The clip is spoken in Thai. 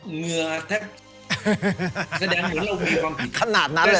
เหงื่อแทบแสดงเหมือนเรามีความผิด